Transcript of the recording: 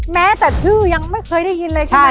แม้แต่ชื่อยังไม่เคยได้ยินเลยใช่ไหม